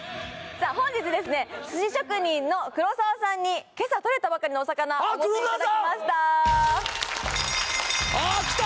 さあ本日ですね寿司職人の黒澤さんに今朝とれたばかりのお魚お持ちいただきましたああきた！